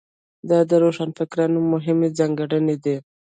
دا د روښانفکرۍ مهمې ځانګړنې دي.